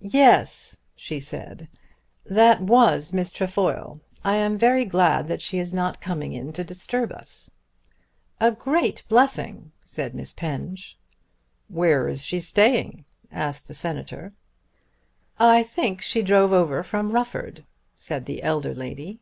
"Yes," she said, "that was Miss Trefoil. I am very glad that she is not coming in to disturb us." "A great blessing," said Miss Penge. "Where is she staying?" asked the Senator. "I think she drove over from Rufford," said the elder lady.